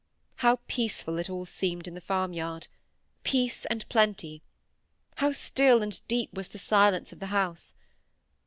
How peaceful it all seemed in the farmyard! Peace and plenty. How still and deep was the silence of the house!